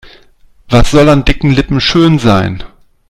Was soll an dicken Lippen schön sein?